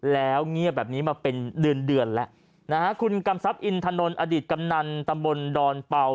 แล้วเงียบแบบนี้มาเป็นเดือนแล้วคุณกรรมทรัพย์อินทานนท์อดีตกำนันตมบลดอนเป่า